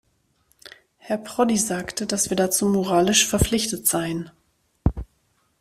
Herr Prodi sagte, dass wir dazu moralisch verpflichtet seien.